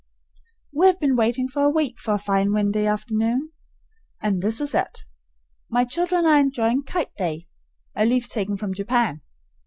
We have been waiting for a week for a fine windy afternoon, and this is it. My children are enjoying "kite day," a leaf taken from Japan.